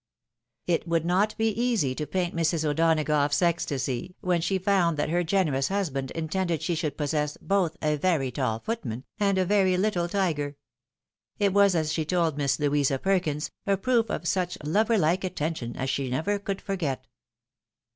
It would not be easy to paint Mrs. O'Donagough's ecstasy, when she found that her generous husband intended she should possess both a very taU footman, and a very Httle tiger. It was, as she told Miss Louisa Perkins, a proof of such lover like atten tion, as she never could forget.